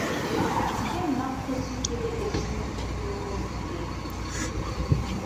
Ke nna kgosi ke le esi mo tikologong e.